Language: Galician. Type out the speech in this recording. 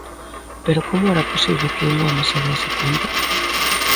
¿Pero como era posible que un home se dese conta?